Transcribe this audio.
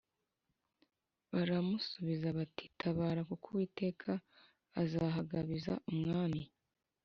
Baramusubiza bati “Tabara, kuko Uwiteka azahagabiza umwami”